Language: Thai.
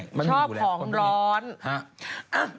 ชอบของร้อน